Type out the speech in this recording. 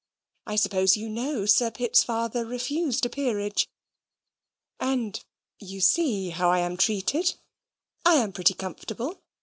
I suppose you know Sir Pitt's father refused a peerage. And you see how I am treated. I am pretty comfortable.